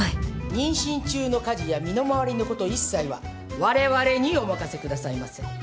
妊娠中の家事や身の回りのこと一切はわれわれにお任せくださいませ。